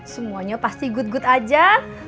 semuanya pasti good good aja